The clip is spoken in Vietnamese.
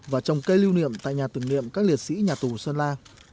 và trồng cây lưu niệm tại nhà tưởng niệm các liệt sĩ nhà tù sơn la